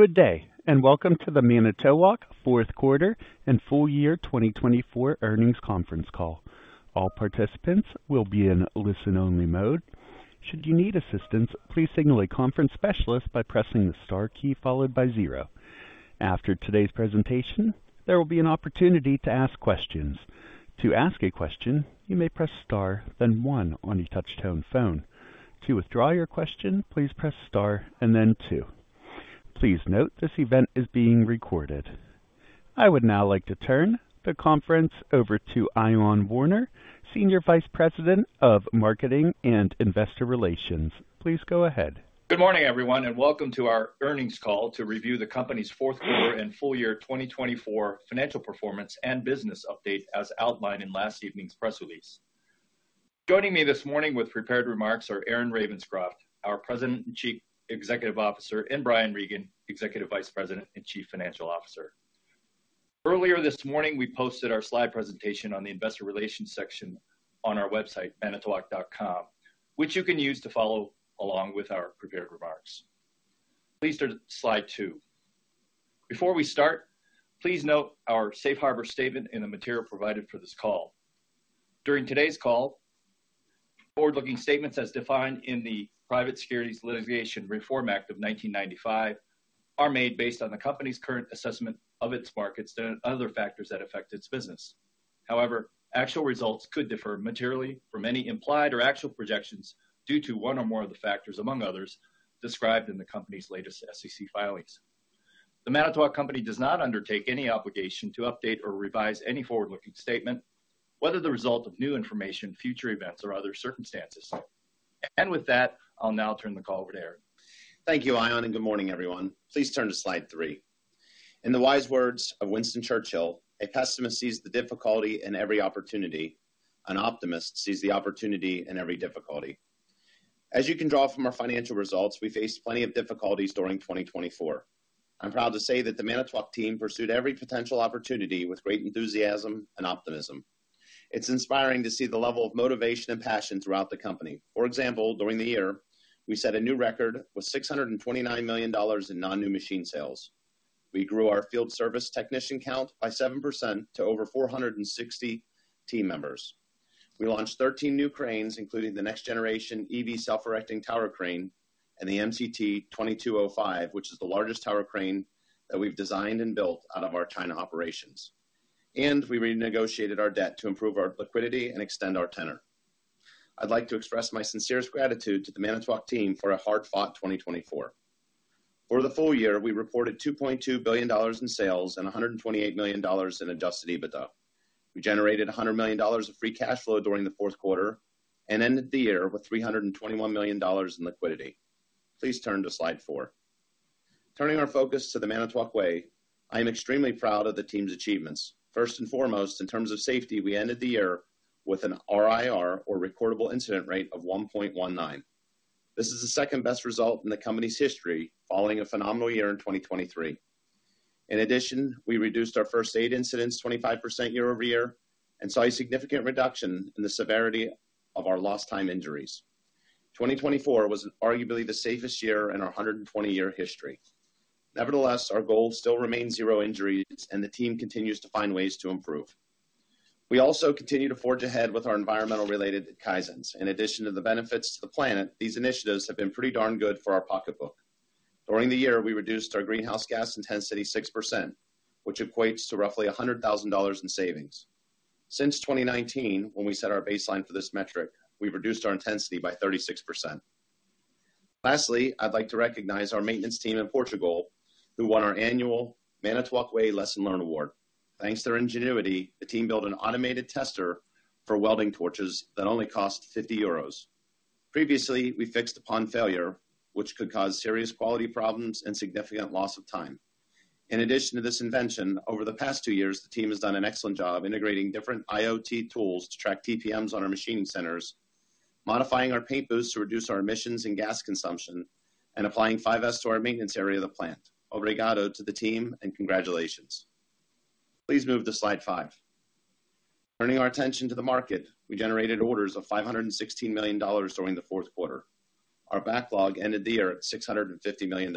Good day, and welcome to the Manitowoc Fourth Quarter and Full Year 2024 Earnings Conference Call. All participants will be in listen-only mode. Should you need assistance, please signal a conference specialist by pressing the star key followed by zero. After today's presentation, there will be an opportunity to ask questions. To ask a question, you may press star, then one on your touch-tone phone. To withdraw your question, please press star and then two. Please note this event is being recorded. I would now like to turn the conference over to Ion Warner, Senior Vice President of Marketing and Investor Relations. Please go ahead. Good morning, everyone, and welcome to our earnings call to review the company's fourth quarter and full year 2024 financial performance and business update as outlined in last evening's press release. Joining me this morning with prepared remarks are Aaron Ravenscroft, our President and Chief Executive Officer, and Brian Regan, Executive Vice President and Chief Financial Officer. Earlier this morning, we posted our slide presentation on the Investor Relations section on our website, manitowoc.com, which you can use to follow along with our prepared remarks. Please turn to slide two. Before we start, please note our Safe Harbor Statement and the material provided for this call. During today's call, forward-looking statements as defined in the Private Securities Litigation Reform Act of 1995 are made based on the company's current assessment of its markets and other factors that affect its business. However, actual results could differ materially from any implied or actual projections due to one or more of the factors, among others, described in the company's latest SEC filings. The Manitowoc Company does not undertake any obligation to update or revise any forward-looking statement, whether the result of new information, future events, or other circumstances. And with that, I'll now turn the call over to Aaron. Thank you, Ion, and good morning, everyone. Please turn to slide three. In the wise words of Winston Churchill, "A pessimist sees the difficulty in every opportunity. An optimist sees the opportunity in every difficulty." As you can draw from our financial results, we faced plenty of difficulties during 2024. I'm proud to say that the Manitowoc team pursued every potential opportunity with great enthusiasm and optimism. It's inspiring to see the level of motivation and passion throughout the company. For example, during the year, we set a new record with $629 million in non-new machine sales. We grew our field service technician count by 7% to over 460 team members. We launched 13 new cranes, including the next-generation Evy self-erecting tower crane and the MCT 2205, which is the largest tower crane that we've designed and built out of our China operations. We renegotiated our debt to improve our liquidity and extend our tenor. I'd like to express my sincerest gratitude to the Manitowoc team for a hard-fought 2024. For the full year, we reported $2.2 billion in sales and $128 million in Adjusted EBITDA. We generated $100 million of free cash flow during the fourth quarter and ended the year with $321 million in liquidity. Please turn to slide four. Turning our focus to the Manitowoc Way, I am extremely proud of the team's achievements. First and foremost, in terms of safety, we ended the year with an RIR, or recordable incident rate, of 1.19. This is the second-best result in the company's history following a phenomenal year in 2023. In addition, we reduced our first aid incidents 25% year-over-year and saw a significant reduction in the severity of our lost-time injuries. 2024 was arguably the safest year in our 120-year history. Nevertheless, our goal still remains zero injuries, and the team continues to find ways to improve. We also continue to forge ahead with our environmental-related kaizens. In addition to the benefits to the planet, these initiatives have been pretty darn good for our pocketbook. During the year, we reduced our greenhouse gas intensity 6%, which equates to roughly $100,000 in savings. Since 2019, when we set our baseline for this metric, we've reduced our intensity by 36%. Lastly, I'd like to recognize our maintenance team in Portugal, who won our annual Manitowoc Way Lesson Learned Award. Thanks to their ingenuity, the team built an automated tester for welding torches that only cost 50 euros. Previously, we fixed a bond failure, which could cause serious quality problems and significant loss of time. In addition to this invention, over the past two years, the team has done an excellent job integrating different IoT tools to track TPMs on our machining centers, modifying our paint booths to reduce our emissions and gas consumption, and applying 5S to our maintenance area of the plant. Obrigado to the team, and congratulations. Please move to slide five. Turning our attention to the market, we generated orders of $516 million during the fourth quarter. Our backlog ended the year at $650 million.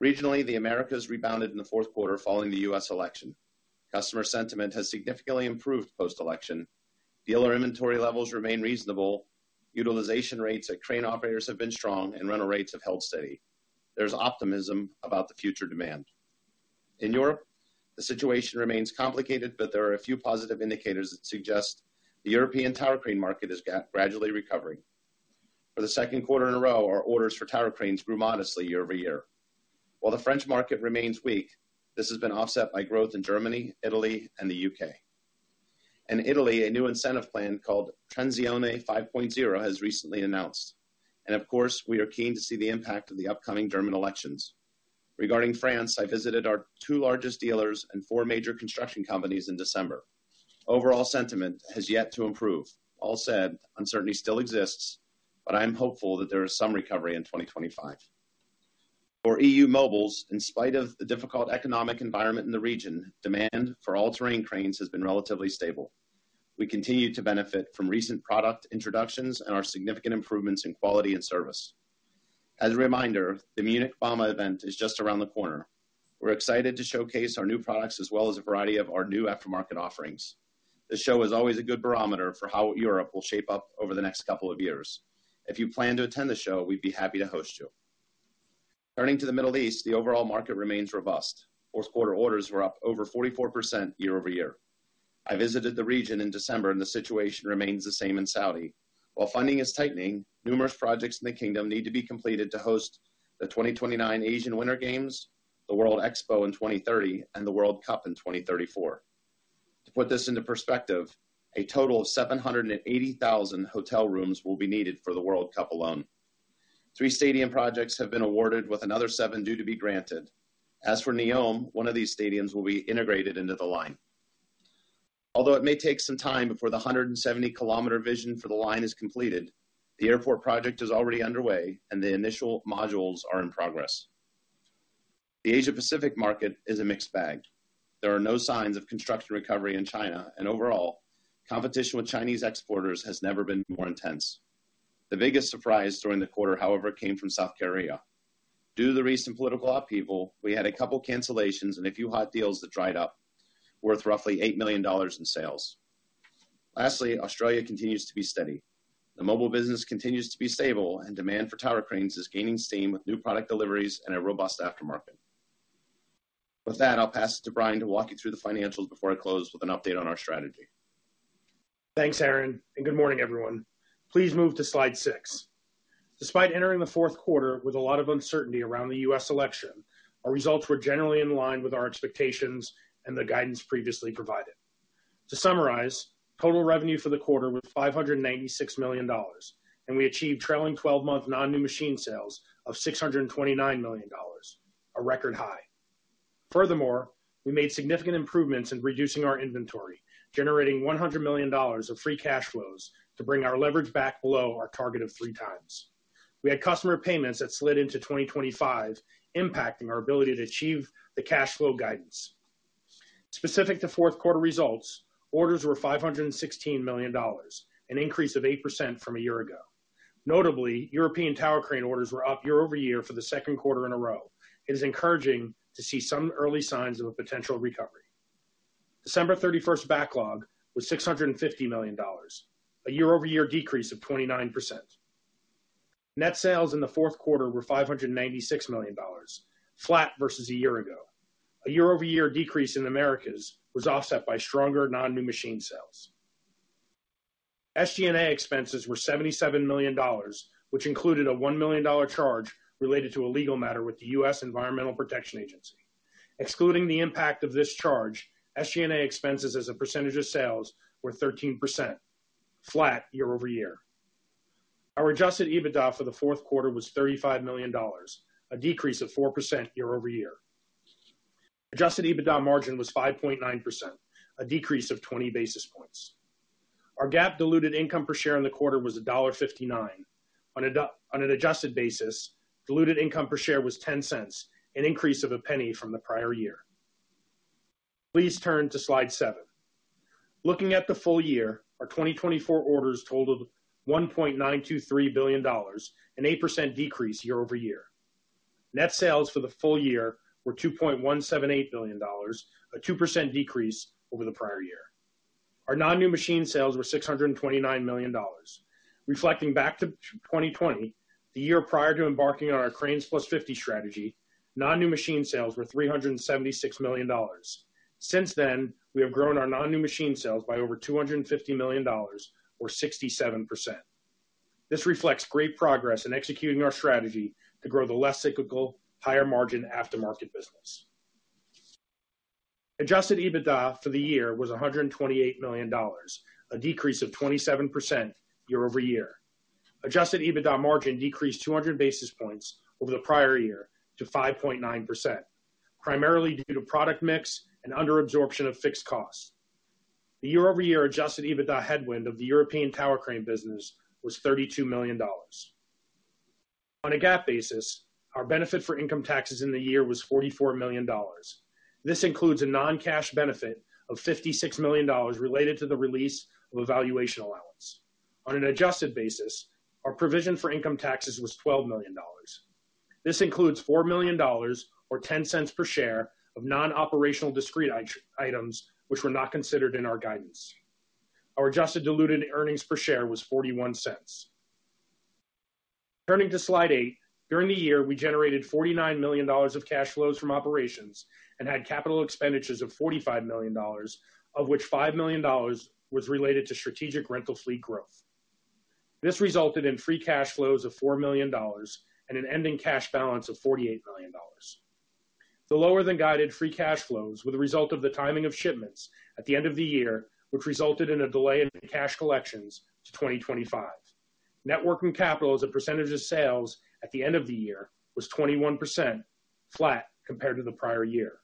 Regionally, the Americas rebounded in the fourth quarter following the U.S. election. Customer sentiment has significantly improved post-election. Dealer inventory levels remain reasonable. Utilization rates at crane operators have been strong, and rental rates have held steady. There's optimism about the future demand. In Europe, the situation remains complicated, but there are a few positive indicators that suggest the European tower crane market is gradually recovering. For the second quarter in a row, our orders for tower cranes grew modestly year-over-year. While the French market remains weak, this has been offset by growth in Germany, Italy, and the U.K. In Italy, a new incentive plan called Transizione 5.0 has recently been announced, and of course, we are keen to see the impact of the upcoming German elections. Regarding France, I visited our two largest dealers and four major construction companies in December. Overall sentiment has yet to improve. All said, uncertainty still exists, but I am hopeful that there is some recovery in 2025. For EU mobiles, in spite of the difficult economic environment in the region, demand for all-terrain cranes has been relatively stable. We continue to benefit from recent product introductions and our significant improvements in quality and service. As a reminder, the Munich Bauma event is just around the corner. We're excited to showcase our new products as well as a variety of our new aftermarket offerings. The show is always a good barometer for how Europe will shape up over the next couple of years. If you plan to attend the show, we'd be happy to host you. Turning to the Middle East, the overall market remains robust. Fourth quarter orders were up over 44% year-over- year. I visited the region in December, and the situation remains the same in Saudi. While funding is tightening, numerous projects in the kingdom need to be completed to host the 2029 Asian Winter Games, the World Expo in 2030, and the World Cup in 2034. To put this into perspective, a total of 780,000 hotel rooms will be needed for the World Cup alone. Three stadium projects have been awarded, with another seven due to be granted. As for Neom, one of these stadiums will be integrated into The Line. Although it may take some time before the 170 km vision for The Line is completed, the airport project is already underway, and the initial modules are in progress. The Asia Pacific market is a mixed bag. There are no signs of construction recovery in China, and overall, competition with Chinese exporters has never been more intense. The biggest surprise during the quarter, however, came from South Korea. Due to the recent political upheaval, we had a couple of cancellations and a few hot deals that dried up, worth roughly $8 million in sales. Lastly, Australia continues to be steady. The mobile business continues to be stable, and demand for tower cranes is gaining steam with new product deliveries and a robust aftermarket. With that, I'll pass it to Brian to walk you through the financials before I close with an update on our strategy. Thanks, Aaron, and good morning, everyone. Please move to slide six. Despite entering the fourth quarter with a lot of uncertainty around the U.S. election, our results were generally in line with our expectations and the guidance previously provided. To summarize, total revenue for the quarter was $596 million, and we achieved trailing 12-month non-new machine sales of $629 million, a record high. Furthermore, we made significant improvements in reducing our inventory, generating $100 million of free cash flows to bring our leverage back below our target of three times. We had customer payments that slid into 2025, impacting our ability to achieve the cash flow guidance. Specific to fourth quarter results, orders were $516 million, an increase of 8% from a year ago. Notably, European tower crane orders were up year-over-year for the second quarter in a row. It is encouraging to see some early signs of a potential recovery. December 31st backlog was $650 million, a year-over-year decrease of 29%. Net sales in the fourth quarter were $596 million, flat versus a year ago. A year-over-year decrease in the Americas was offset by stronger non-new machine sales. SG&A expenses were $77 million, which included a $1 million charge related to a legal matter with the U.S. Environmental Protection Agency. Excluding the impact of this charge, SG&A expenses as a percentage of sales were 13%, flat year-over-year. Our adjusted EBITDA for the fourth quarter was $35 million, a decrease of 4% year-over-year. Adjusted EBITDA margin was 5.9%, a decrease of 20 basis points. Our GAAP-diluted income per share in the quarter was $1.59. On an adjusted basis, diluted income per share was $0.10, an increase of $0.01 from the prior year. Please turn to slide seven. Looking at the full year, our 2024 orders totaled $1.923 billion, an 8% decrease year-over-year. Net sales for the full year were $2.178 billion, a 2% decrease over the prior year. Our non-new machine sales were $629 million. Reflecting back to 2020, the year prior to embarking on our Cranes+50 strategy, non-new machine sales were $376 million. Since then, we have grown our non-new machine sales by over $250 million, or 67%. This reflects great progress in executing our strategy to grow the less cyclical, higher-margin aftermarket business. Adjusted EBITDA for the year was $128 million, a decrease of 27% year-over-year. Adjusted EBITDA margin decreased 200 basis points over the prior year to 5.9%, primarily due to product mix and underabsorption of fixed costs. The year-over-year adjusted EBITDA headwind of the European tower crane business was $32 million. On a GAAP basis, our benefit for income taxes in the year was $44 million. This includes a non-cash benefit of $56 million related to the release of a valuation allowance. On an adjusted basis, our provision for income taxes was $12 million. This includes $4 million, or 10 cents per share, of non-operational discrete items, which were not considered in our guidance. Our adjusted diluted earnings per share was 41 cents. Turning to slide eight, during the year, we generated $49 million of cash flows from operations and had capital expenditures of $45 million, of which $5 million was related to strategic rental fleet growth. This resulted in free cash flows of $4 million and an ending cash balance of $48 million. The lower-than-guided free cash flows were the result of the timing of shipments at the end of the year, which resulted in a delay in cash collections to 2025. Net working capital as a percentage of sales at the end of the year was 21%, flat compared to the prior year.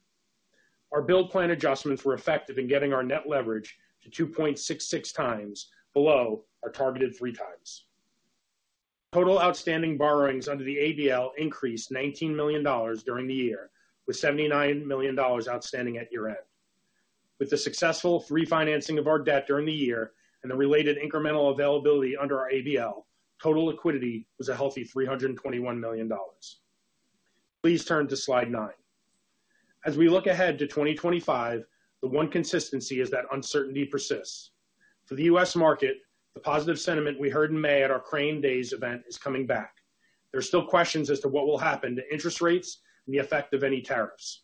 Our build plan adjustments were effective in getting our net leverage to 2.66 times below our targeted three times. Total outstanding borrowings under the ABL increased $19 million during the year, with $79 million outstanding at year-end. With the successful refinancing of our debt during the year and the related incremental availability under our ABL, total liquidity was a healthy $321 million. Please turn to slide nine. As we look ahead to 2025, the one consistency is that uncertainty persists. For the U.S. market, the positive sentiment we heard in May at our Crane Days event is coming back. There are still questions as to what will happen to interest rates and the effect of any tariffs.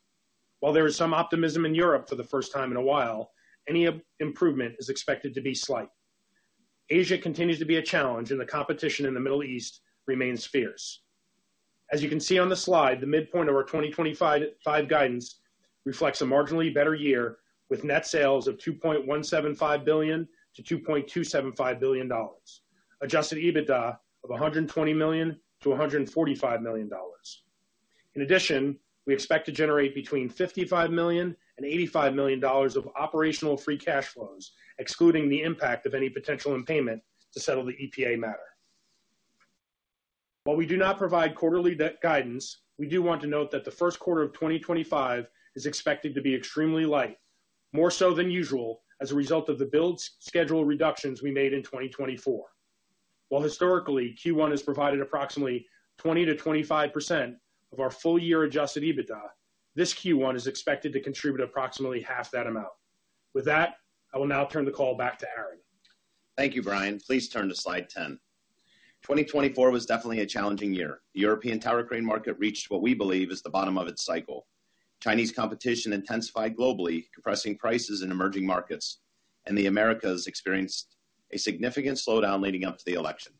While there is some optimism in Europe for the first time in a while, any improvement is expected to be slight. Asia continues to be a challenge, and the competition in the Middle East remains fierce. As you can see on the slide, the midpoint of our 2025 guidance reflects a marginally better year with net sales of $2.175 billion-$2.275 billion, Adjusted EBITDA of $120 million-$145 million. In addition, we expect to generate between $55 million and $85 million of operational free cash flows, excluding the impact of any potential payment to settle the EPA matter. While we do not provide quarterly guidance, we do want to note that the first quarter of 2025 is expected to be extremely light, more so than usual as a result of the build schedule reductions we made in 2024. While historically, Q1 has provided approximately 20%-25% of our full-year Adjusted EBITDA, this Q1 is expected to contribute approximately half that amount. With that, I will now turn the call back to Aaron. Thank you, Brian. Please turn to slide 10. 2024 was definitely a challenging year. The European tower crane market reached what we believe is the bottom of its cycle. Chinese competition intensified globally, compressing prices in emerging markets, and the Americas experienced a significant slowdown leading up to the election.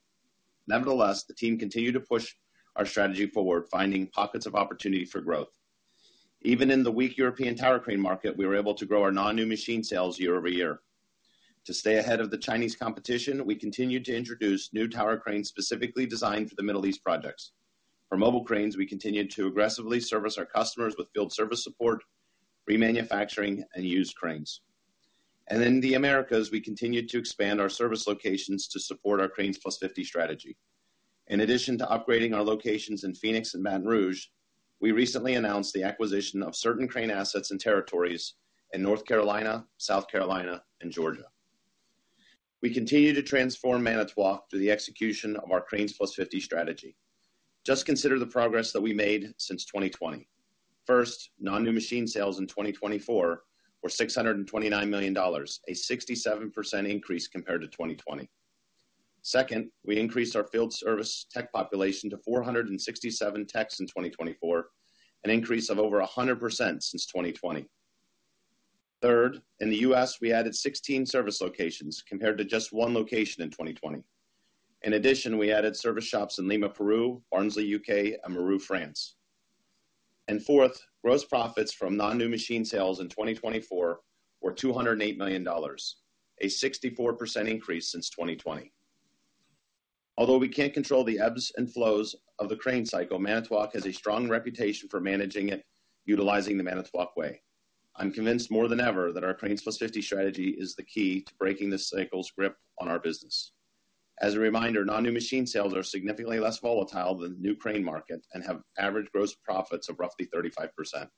Nevertheless, the team continued to push our strategy forward, finding pockets of opportunity for growth. Even in the weak European tower crane market, we were able to grow our non-new machine sales year-over-year. To stay ahead of the Chinese competition, we continued to introduce new tower cranes specifically designed for the Middle East projects. For mobile cranes, we continued to aggressively service our customers with field service support, remanufacturing, and used cranes, and in the Americas, we continued to expand our service locations to support our Cranes+50 strategy. In addition to upgrading our locations in Phoenix and Baton Rouge, we recently announced the acquisition of certain crane assets and territories in North Carolina, South Carolina, and Georgia. We continue to transform Manitowoc through the execution of our Cranes+50 strategy. Just consider the progress that we made since 2020. First, non-new machine sales in 2024 were $629 million, a 67% increase compared to 2020. Second, we increased our field service tech population to 467 techs in 2024, an increase of over 100% since 2020. Third, in the U.S., we added 16 service locations compared to just one location in 2020. In addition, we added service shops in Lima, Peru, Barnsley, U.K., and Mâcon, France. And fourth, gross profits from non-new machine sales in 2024 were $208 million, a 64% increase since 2020. Although we can't control the ebbs and flows of the crane cycle, Manitowoc has a strong reputation for managing it utilizing the Manitowoc Way. I'm convinced more than ever that our Cranes+50 strategy is the key to breaking the cycle's grip on our business. As a reminder, non-new machine sales are significantly less volatile than the new crane market and have average gross profits of roughly 35%.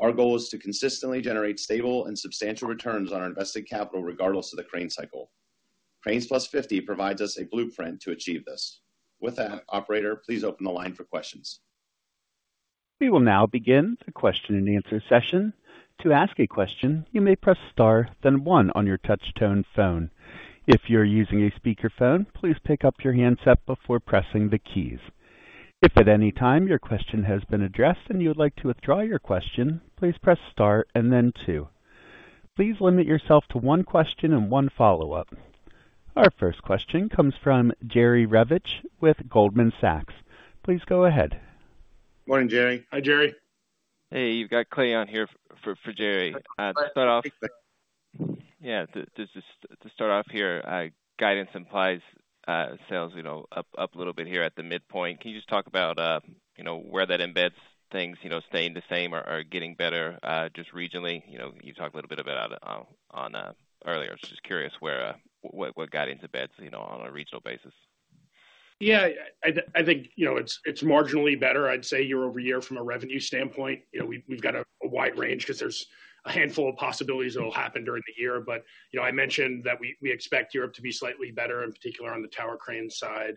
Our goal is to consistently generate stable and substantial returns on our invested capital regardless of the crane cycle. Cranes+50 provides us a blueprint to achieve this. With that, operator, please open the line for questions. We will now begin the question-and-answer session. To ask a question, you may press star, then one on your touch-tone phone. If you're using a speakerphone, please pick up your handset before pressing the keys. If at any time your question has been addressed and you would like to withdraw your question, please press star and then two. Please limit yourself to one question and one follow-up. Our first question comes from Jerry Revich with Goldman Sachs. Please go ahead. Morning, Jerry. Hi, Jerry. Hey, you've got Clay on here for Jerry. Hi. To start off here, guidance implies sales up a little bit here at the midpoint. Can you just talk about where that embeds things, staying the same or getting better just regionally? You talked a little bit about it earlier. I was just curious what guidance embeds on a regional basis. Yeah, I think it's marginally better, I'd say, year-over-year from a revenue standpoint. We've got a wide range because there's a handful of possibilities that will happen during the year. But I mentioned that we expect Europe to be slightly better, in particular on the tower crane side.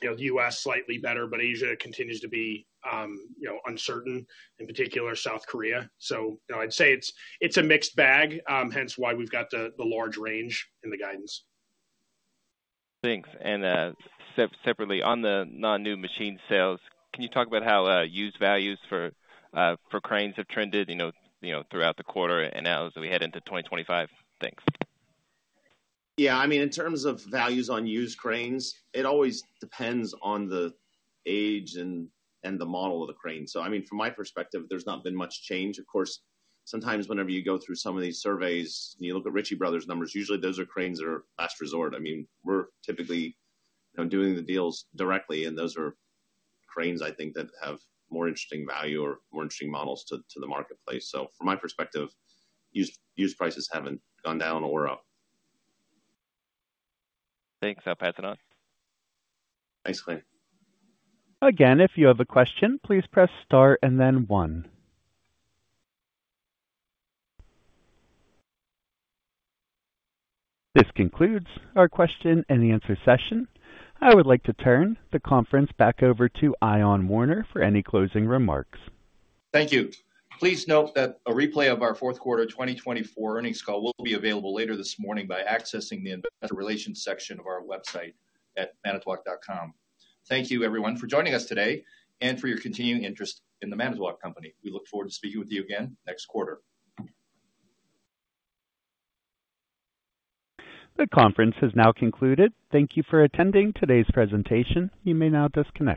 The U.S. slightly better, but Asia continues to be uncertain, in particular South Korea. So I'd say it's a mixed bag, hence why we've got the large range in the guidance. Thanks. And separately, on the non-new machine sales, can you talk about how used values for cranes have trended throughout the quarter and now as we head into 2025? Thanks. Yeah, I mean, in terms of values on used cranes, it always depends on the age and the model of the crane. So I mean, from my perspective, there's not been much change. Of course, sometimes whenever you go through some of these surveys and you look at Ritchie Bros. numbers, usually those are cranes that are last resort. I mean, we're typically doing the deals directly, and those are cranes, I think, that have more interesting value or more interesting models to the marketplace. So from my perspective, used prices haven't gone down or up. Thanks. I'll pass it on. Thanks, Clay. Again, if you have a question, please press star and then one. This concludes our question-and-answer session. I would like to turn the conference back over to Aaron Ravenscroft for any closing remarks. Thank you. Please note that a replay of our fourth quarter 2024 earnings call will be available later this morning by accessing the investor relations section of our website at manitowoc.com. Thank you, everyone, for joining us today and for your continuing interest in the Manitowoc Company. We look forward to speaking with you again next quarter. The conference has now concluded. Thank you for attending today's presentation. You may now disconnect.